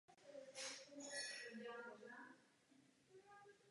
Aktivit ve hře je hned několik.